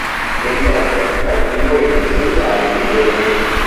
Mediocre; ottimo negli esemplari più giovani.